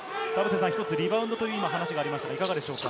リバウンドという話がありましたが、いかがですか？